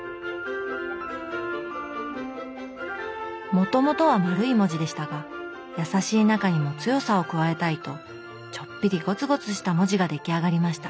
もともとは丸い文字でしたが優しい中にも強さを加えたいとちょっぴりゴツゴツした文字が出来上がりました。